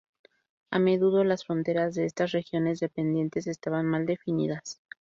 A menudo, las fronteras de estas regiones dependientes estaban mal definidas.